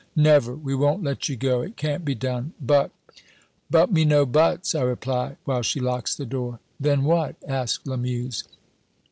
"'Never! We won't let you go it can't be done.' "'But ' "'But me no buts,' I reply, while she locks the door." "Then what?" asked Lamuse.